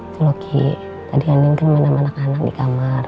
tuh lo ki tadi anin kan main sama anak anak di kamar